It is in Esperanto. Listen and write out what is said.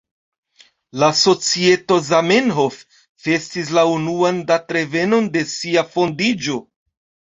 La societo „Zamenhof” festis la unuan datrevenon de sia fondiĝo.